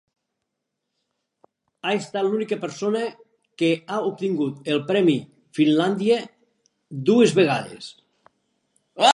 Ha estat l'única persona que ha obtingut el Premi Finlàndia dues vegades.